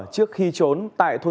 trước khi trốn tại thôn ba